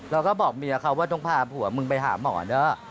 แล้วก็บอกเมียเขาว่าต้องพาผัวมึงไปหาหมอเนอะ